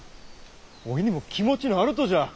おいにも気持ちのあるとじゃ！